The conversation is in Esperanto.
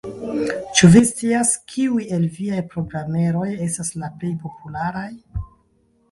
Ĉu vi scias, kiuj el viaj programeroj estas la plej popularaj?